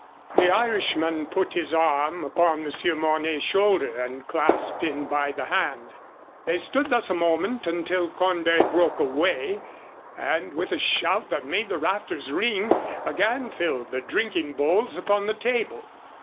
The Irishman put his arm upon Monsieur Mornay's shoulder and clasped him by the hand. They stood thus a moment until Cornbury broke away and, with a shout that made the rafters ring, again filled the drinking bowls upon the table.